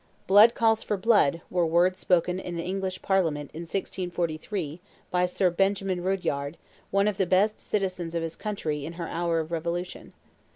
"Blood calls for blood," were words spoken in the English parliament, in 1643, by Sir Benjamin Rudyard, one of the best citizens of his country in her hour of revolution.